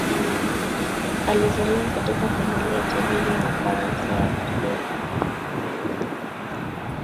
Alizaliwa katika familia tajiri ya Ufaransa ya kusini.